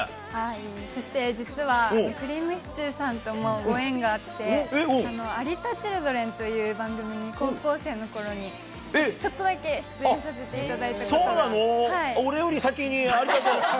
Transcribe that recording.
そして実は、くりぃむしちゅーさんともご縁があって、有田チルドレンという番組に、高校生のころに、ちょっとだけ出演させていただいたことがあるんです。